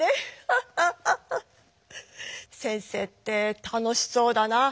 「先生って楽しそうだな。